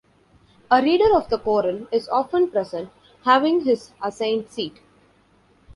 A reader of the Koran is often present, having his assigned seat.